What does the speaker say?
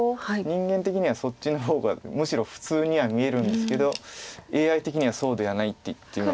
人間的にはそっちの方がむしろ普通には見えるんですけどＡＩ的にはそうではないと言っていますが。